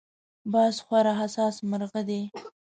باز خورا حساس مرغه دی